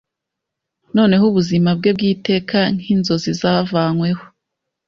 Noneho ubuzima bwe bwiteka Nkinzozi zavanyweho